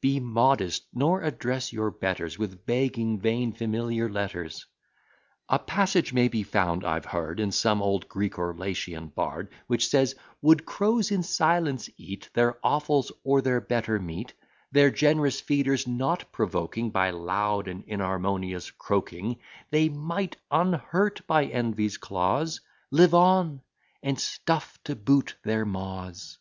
Be modest, nor address your betters With begging, vain, familiar letters. A passage may be found, I've heard, In some old Greek or Latian bard, Which says, "Would crows in silence eat Their offals, or their better meat, Their generous feeders not provoking By loud and inharmonious croaking, They might, unhurt by Envy's claws, Live on, and stuff to boot their maws."